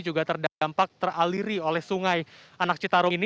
juga terdampak teraliri oleh sungai anak citarung ini